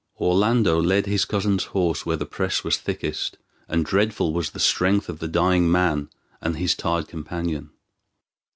Orlando led his cousin's horse where the press was thickest, and dreadful was the strength of the dying man and his tired companion.